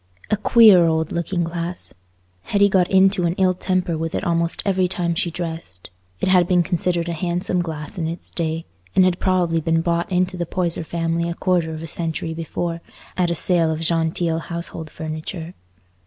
A queer old looking glass! Hetty got into an ill temper with it almost every time she dressed. It had been considered a handsome glass in its day, and had probably been bought into the Poyser family a quarter of a century before, at a sale of genteel household furniture.